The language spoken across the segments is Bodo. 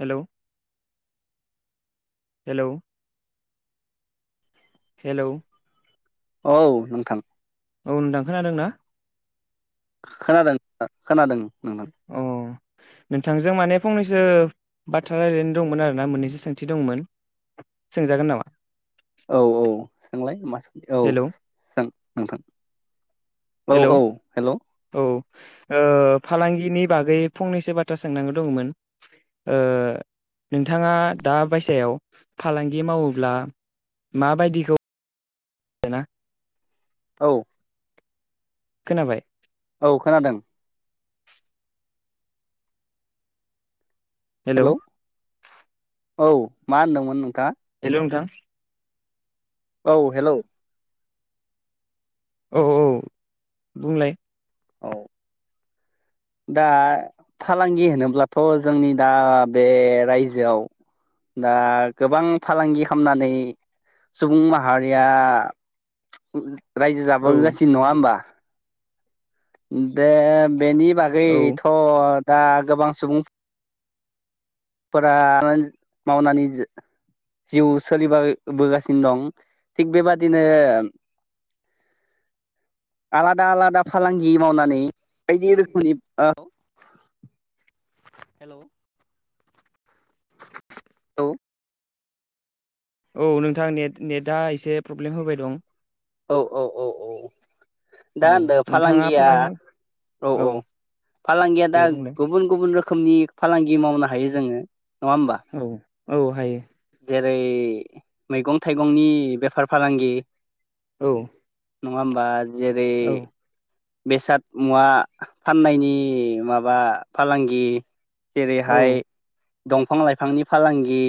हेलौ हेलौ हेलौ औ नोंथां औ नोंथां खोनादों ना? खोनादों [inaudible] खोनादों नोंना अ नोंथांजों माने फंनैसो बाथ्रा रायज्लायनो दंमोन आरोना मोननैसो सोंथि दंमोन सोंजागोन नामा? औ औ सोंलाय मा सो औ हेलौ थां नोंथां औ हेलौ औ हेल' औ ओ फालांगिनि बागै फंनैसो बाथ्रा सोंनांगौ दङमोन। ओ नोंथाङा दा बायसायाव फालांगि मावोब्ला माबायदिखौ [unintelligible] औ खोनाबाय? औ खोनादों हेलौ' औ मा होनदोंमोन नोंथाङा? हेलौ नोंथां औ हेलौ औ औ औ बुंलाय औ दा फालांगि होनोब्लाथ' जोंनि दा बे रायजोआव दा गोबां फालांगि खालामनानै सुबुं माहारिया रायजो औ जाबोगासिनो नङा होमबा बे बेनि बै औ थ' दा गोबां सुबुं फोरा [inaudible] मावनानै जो जिउ सोलिबा बोगासिनो दं थिग बेबादिनो आलादा आलादा फालांगि मावनानै बायदि रोखोमनि [inaudible] हेलौ औ औ नोंथां नेट नेटआ एसे प्रब्लेम होबाय दं। औ-औ-औ-औ दा औ होनदो नोंथाङा फालांगिया फालांगि औ औ फालांगिया दे दा बुंलाय गुबुन गुबुन रोखोम। रोखोमनि फालांगि मावनो हायो जोङो नङा औ औ हायो ओेरै मैगं-थाइगंनि बेफार फालांगि औ नङा होनबा? जेरै औ बेसाद मुवा फाननायनि माबा फालांगि औ जेरैहाय दंफां-लाइफांनि फालांगि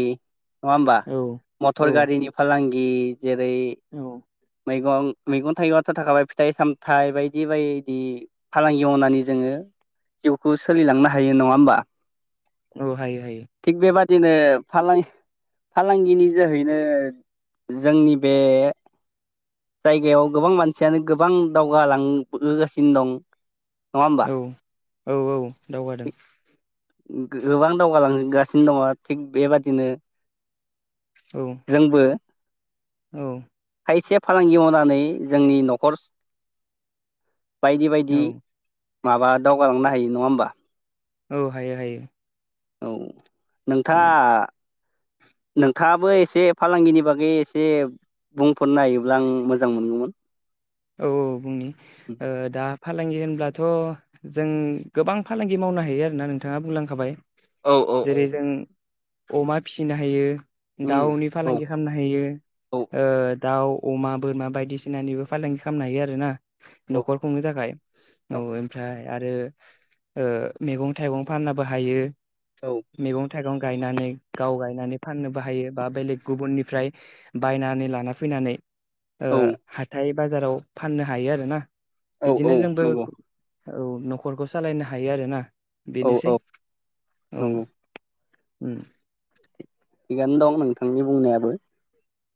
नङा होमबा औ औ मथर गारिनि फालांगि [unintelligible] जेरै औ मैगं मैगं थाइगंयाथ' थाखाबाय फिथाइ सामथाइ बायदि बेबायदि फालांगि मावनानै जोङो जिउखौ सोलिलांनो हायो नङा होमबा औ हायो हायो थिक बेबादि बादिनो फालां- फालांगिनि जोहैनो जोंनि बे जायगायाव गोबां मानसियानो गोबां दावगालांबोगासिनो दं। नङा होमबा औ औ औ दावगादों गोबां दावगालांगासिनो दङ थिग बेबादिनो औ जोंबो औ खायसे फालांगि मावनानै जोंनि न'खर बायदि बायदि औ माहाबा दावगालांनो हायो नङा होमबा औ हायो हायो औ नोंथाङा औ नोंथाङाबो एसे फालांगिनि बागै एसे बुंफोरना होयोबा आं मोजां मोनगौमोन। औ औ बुंनि ओ दा फालांगि होनब्ला थ' जों गोबां फालांगि मावनो हायो आरोना नोंथाङा बुंलांखाबाय। औ औ औ जेरै जों अमा फिसिनो हायो उम दाउनि औ फालांगि खालामनो हायो औ ओ दाउ अमा बोरमा बायदिसिनानिबो फालांगि खालामनो हायो आरोना औ न'खर खुंनो थाखाय औ ओमफ्राय आरो ओ मैगं थाइगं फाननाबो हायो। मेगं था थाइगं गायनानै गाव गायनानै फाननोबो हायो बा बेलेग गुबुननिफ्राय बायनानै लाना फैनानै ओ हा बाजाराव फाननो हायो आरोना। औ औ बिदिनो जोंबो नंगौ औ न'खरखौ सालायनो हायो आरो ना। औ बेनोसै औ औ नंगौ उम थिगानो दं नोंथांनि बुंनायाबो।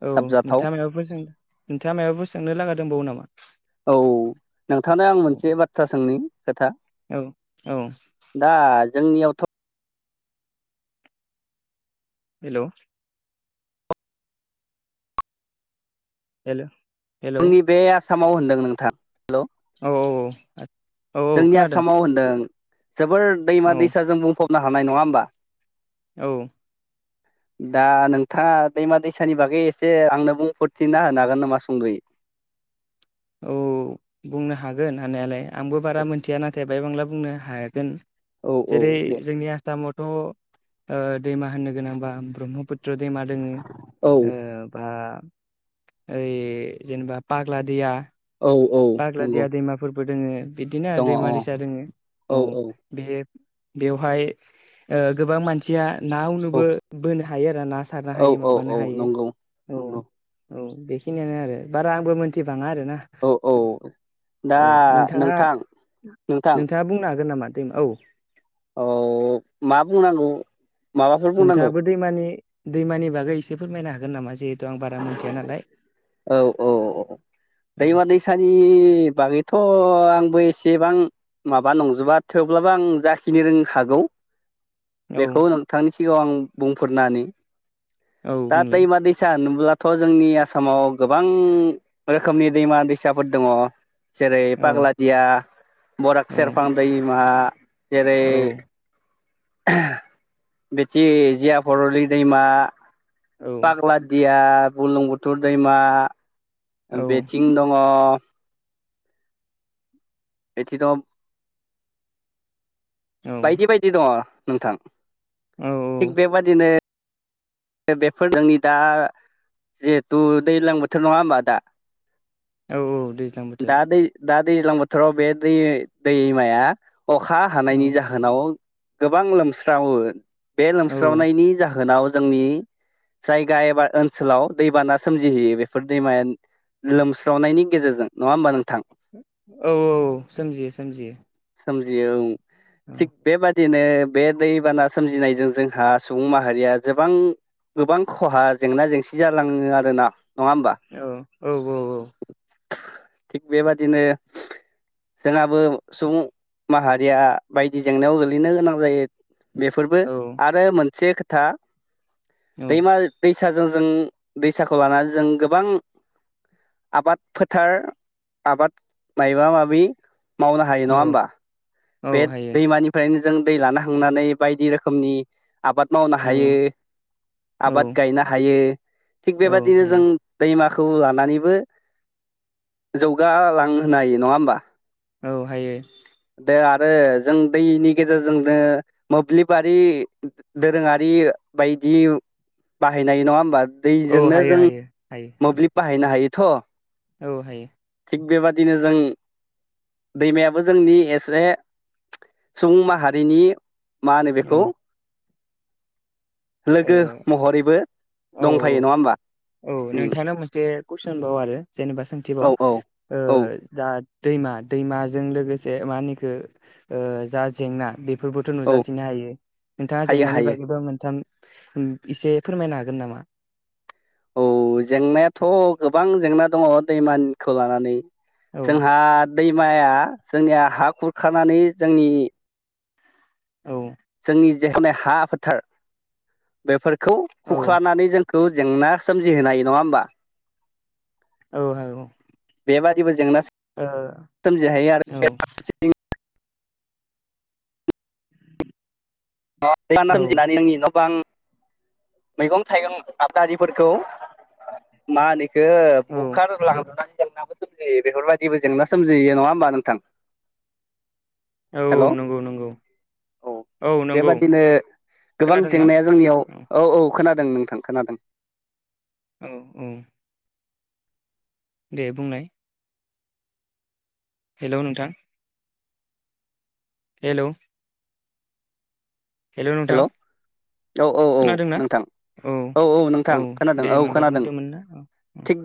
औ साबजाथाव नोंथांमोनाबो फो [unintelligible] नोंथाङा मायबाफोर सोंनो लागा दंबावो नामा? औ नोंथांनो आं मोनसे बाथ्रा सोंनि। खोथा औ औ दा जोंनियावथ' हेलौ हेल' हेल' औ आंनि बे आस सामाव होनदों नोंथां हेल' औ औ औ औ जोंनि खोनादों आसामाव होनदों जोबोर दैमा औ - दैसा जों बुंफाव नो हानाय नङा होमबा? औ दा नोंथाङा दैमा- दैसानि बागै एसे आंनो बुंफोरथिना होनो हागोन नामा सुंदयै? औ बुंनो हागोन हानायालाय आंबो बारा मिन्थिया नाथाय बाय बांला बुंनो हागोन। औ औ जेरै दे जोंनि आसामाव थ ओ दैमा होननो गोनांबा ब्रह्मपुत त्र दैमा दोङो औ ओ बा ओइ जेनेबा पाग्ला दिया औ औ नंगौ बोदोङो बिदिनो आरो दङ अ दैमा- औ दैसा दोङो औ बे बेवहाय ओ गोबां मानसिया ना औ उनुबो बोनो हा हायो आरो ना सारनो औ हायो औ माबानो औ हायो नंगौ औ नंगौ औ बेखिनियानो आरो बारा आंबो मोनथिबाङा आरो ना औ औ दा औ नोंथाङा नोंथां नोंथां नोंथाङा बुंनो हागोन नामा? उम औ औ मा बुंनांगौ माबाफोर बुंनांगौ नोंथाङाबो दैमानि दैमानि बागै एसे फोरमायनो हागोन नामा जे [inaudible] औ औ औ औ दैमा दैसानि बागैथ' आंबो एसे एसेबां माबा नंजोबा थेवब्लाबो आं जाखिनि रों हागौ। औ बेखौ नोंथांनि सिगाङाव आं बुंफोरना होनि औ दा बुंलाय दैमा दैसा होनो अब्लाथ' जोंनि आसामाव गोबां रोखोमनि दैमा दैसाफोर दङ। जेरै औ पाग्लादिया औ बराग सेरफां दैमा जेरै औ बेथि जियाभरलि दैमा औ पाग्लादिया बुरलुंबुथुर दैमा औ बेथिं दङ बेखिनियाव बायदि औ बायदि दङ नोंथां औ थिग बेबादिनो बेफोर नोंनि दा जिहेथु दैज्लां बोथोर नङा होनबा दा औ औ दैज्लां दा बोथोर दै दा दैज्लां बोथोराव बे दै दैमाया अखा औ हानायनि जाहोनाव गोबां लोमस्रावो बे औ लोमस्रावनायनि जाहोनाव जोंनि जायगा एबा ओनसोलाव दैबाना सोमजिहैयो बेफोर दैमाया लोमस्रावनायनि गेजेरजों नङा होमबा नोंथां औ औ सोमजियो सोमजियो सोमजियो औ औ थि बे बादि दिननो बे दैबाना सोमजिनायजों जोंहा सुबुं माहारिया गोबां गोबां खहा जेंना जेंसि जालाङो आरोना। नङा होमबा औ औ-औ-औ थिग बेबादिनो जोंहाबो सुबुं माहारिया बायदि जेंनायाव गोलैनो गोनां जायो। बेफोरबो औ आरो मोनसे खो था दैमा -दैसा जों-जों दैसाखौ लानान जों गोबां आबाद फोथार आबाद माइबा माबि मावनो हायो नङा औ होमबा? औ बे हायो दैमानिफाय जों दै लाना हांनानै बायदि रोखोमनि आबाद मावनो औ हायो आबाद औ गायनो हायो थिग औ बेबाददिनो जों हायो दैमा खौ लानानैबो जौगालांहोनो हायो नङा होमबा? औ हायो [unintelligible] आरो जों दैनि गेजेरजोंनो मोब्लिबारि दोरोङारि बायदि बाहायनाय नङा होमबा? औ दैजोंनो हायो जों हायो हायो मोब्लिब बाहायनो हायो। थ' औ हायो थिग बेबादिनो जों दैमायाबो जोंनि एसे सुबुं माहारिनि मानो औ बेखौ? लोगो महरैबो ओ औ औ दंफायो नङा होमबा औ उम नोंथांनियाव मोनसे कुइसनबावो आरो जेनेबा बिथिबाव औ औ ओ औ दा दैमा-दैमाजों लोगोसे मा होनो बेखौ ओ जा जेंना बे बे फोरबोथ' औ नुजाथिनो हायो नोंथाङा हायो जेंनानि हायो बागैबा मोनथाम इसे फोरमायनो हागोन नामा? औ जेंनायाथ' गोबां जेंना दङ दैमानिखौ लानानै। औ जोंहा दैमाया जोंनिया हा खुरखानानै जोंनि औ जोंनि जे [inaudible] मे हा फोथार बेफोर खौ औ खुख्लानानै जों [unintelligible] जेंना सोमजिहोनो हायो नङा होमबा? औ औ बेबादिबो जेंना ओ सोमजिहायो आरो औ [unintelligible] औ न' बांं मैगं थाइगं आबादारिफोरखौ मा होनो [unintelligible] बुखार औ लांजायो जेंनाबो सोमजियो बेफोरबायदिबो जेंना सोमजियो नङा होमबा नोंथां औ नंगौ नंगौ औ नंगौ बेबादिनो गोबां खोनादोंना जेंनाया जोंनियाव औ औ खोनादों नोंथां खोनादों औ औ दे बुंनाय हेलौ नोंथां हेलौ हेलौ औ औ औ खोनादोंना नोंथां औ औ नोंथां खोनादों दे औ माबा खोनादों बुंदोंमोन ना औ थिग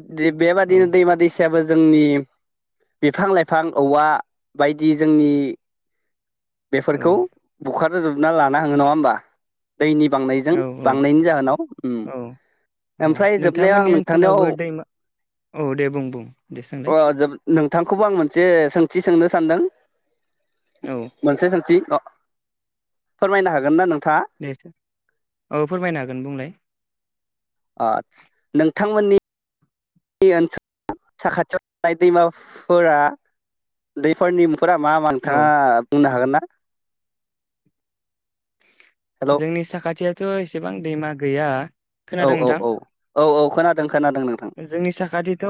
औ बेबादिनो दैमा दैसा जायाबो जोंनि बिफां लाइफां औवा बायदि जोंनि औ बेफोरखौ औ बुखार रोजोबना लाना थाङो नङा होमबा दैनि बांनायजों औ बांनायनि जाहोनाव ओम औ औ ओमफ्राय जोबनायाव आं नोंथांमोननि नोंथांनियाव ओनसोलावबो दैमा औ दे बुं बुं दे ओ सोंलाय नोंथांखौबो आं मोनसे सोंथि सोंनो सानदों। औ मोनसे सोंथि अ फोरमायनो हागोन ना नों दे सों औ फोरमायनो हागोन बुंलाय। आदसा नोंथांमोननि [unintelligible] साखाथियाव थानाय दैमाफोरा दैफोरनि फोरा मा मा नोंथाङा औ बुंनो हागोन ना? हेलौ जोंनि साखाथियाव थ' एसेबां दैमा गैया औ खोनादों औ नोंथां औ औ औ खोनादों खोनादों नोंथां जोंनि साखाथिथ'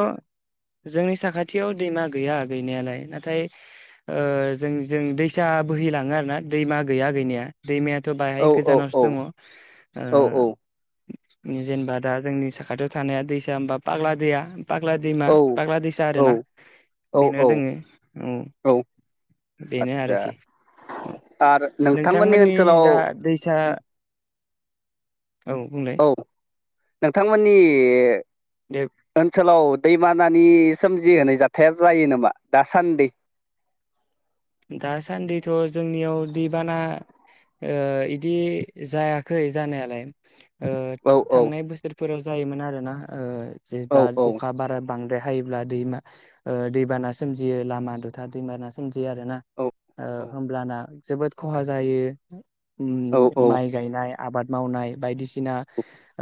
जोंनि साखाथि खाथियाव दैमा गैया गैनायालाय नाथाय ओ जों जों दैसा बोहैलाङो आरोना दैमा गैया गैनाया दैमायाथ' बाह औ औ गोजानावसो औ दङ ओ औ औ जेनेबा दा जोंनि साखाथियाव थानाया दैसा होनबा पाग्लादिया फाग्ला दैमा औ फाग्ला दैसा आरोना औ बेनो औ दोङो औ बेनो आदसा आरोखि औ आरो नोंथांमोननि ओनसोलाव जा दैसा औ बुंलाय नोंथांमोननि दे ओनसोलाव दैमानानि सोमजिहोनाय जाथाया जायो नामा दासान्दि? दासान्दिथ' जोंनियाव दैबाना ओ इदि जायाखै जानायालाय। ओ औ औ थांनाय बोसोर फोराव जायोमोन आरो ना ओ औ जेब्ला अखा बारा बांद्राय हायोब्ला दैमा ओ दैबाना सोमजियो लामा दथा दैमाना सोमजियो आरो ना। ओ औ होमब्लाना जोबोद खहा जायो। औ उम औ माइ गायनाय आबाद मावनाय बायदिसिना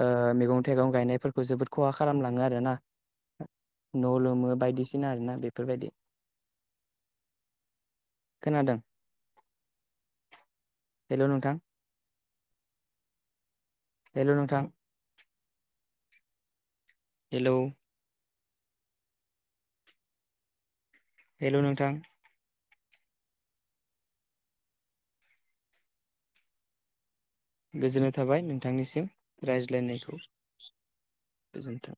ओ [unintelligible] मैगं थाइगं गायनायफोरखौ जोबोद खहा खालामलाङो आरोना न लोमो बायदिसिना आरो ना बेफोरबायदि खोनादों हेलौ नोंथां हेलौ नोंथां हेलौ हेलौ नोंथां गोजोननाय थाबाय नोंथांनिसिम रायज्लायनायखौ गोजोन्थों